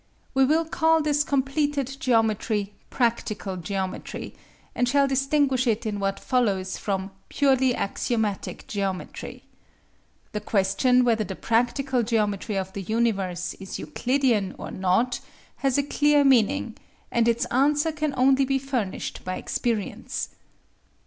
We will call this completed geometry "practical geometry," and shall distinguish it in what follows from "purely axiomatic geometry." The question whether the practical geometry of the universe is Euclidean or not has a clear meaning, and its answer can only be furnished by experience.